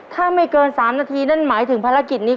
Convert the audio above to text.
ถ้าไม่เกิน๓นาทีนั่นหมายถึงภารกิจนี้